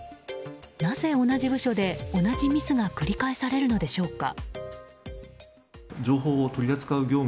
なぜ同じ部署で同じミスが繰り返されるのでしょうか。